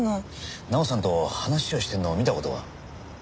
奈緒さんと話をしているのを見た事は？